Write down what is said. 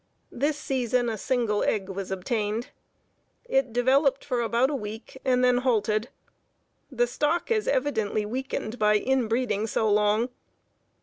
This season a single egg was obtained. It developed for about a week and then halted. The stock is evidently weakened by inbreeding so long.